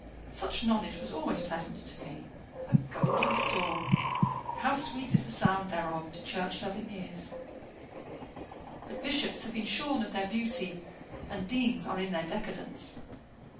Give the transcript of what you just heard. Such knowledge was always pleasant to me! A golden stall! How sweet is the sound thereof to church loving ears! But bishops have been shorn of their beauty, and deans are in their decadence.